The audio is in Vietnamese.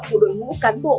của đội ngũ cán bộ